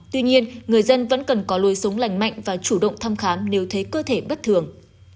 tuy nhiên người dân vẫn cần có lối sống lành mạnh và chủ động thăm khám nếu thấy cơ thể bất thường